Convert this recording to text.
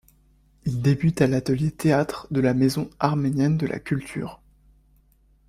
Il débute à l'atelier théâtre de la Maison arménienne de la Culture.